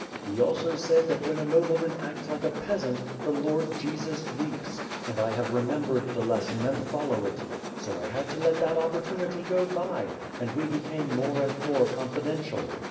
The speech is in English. He also said, that when a nobleman acts like a peasant, the Lord Jesus weeps; and I haVe remembered the lesson and follow it. So I had to let that opportunity go by, and we became more and more confidential.